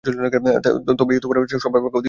ধ্যানই অধ্যাত্মজীবনের সর্বাপেক্ষা অধিক সহায়ক।